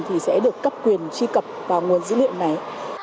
thì sẽ được cấp quyền truy cập vào nguồn dữ liệu này